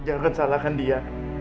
jangan salahkan dia